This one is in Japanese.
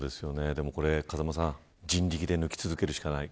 風間さん、人力で抜き続けるしかない。